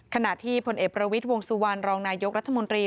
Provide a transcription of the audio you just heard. ขณะที่ผลเอกประวิทย์วงสุวรรณรองนายกรัฐมนตรี